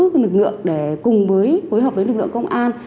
các lực lượng để cùng với phối hợp với lực lượng công an